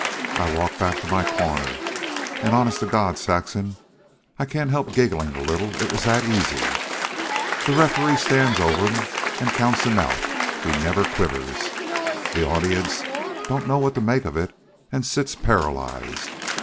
I walk back to my corner, an', honest to God, Saxon, I can't help gigglin' a little, it was that easy. The referee stands over 'm an' counts 'm out. He never quivers. The audience don't know what to make of it an' sits paralyzed.